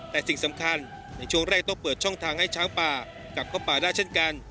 แต่สิ่งสำคัญในช่วงแรกต้องเปิดช่องทางให้ช้างป่ากลับเข้าป่าได้เช่นกัน